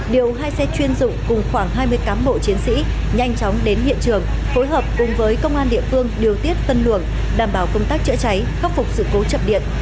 điều hai xe chuyên dụng cùng khoảng hai mươi cán bộ chiến sĩ nhanh chóng đến hiện trường phối hợp cùng với công an địa phương điều tiết phân luồng đảm bảo công tác chữa cháy khắc phục sự cố chập điện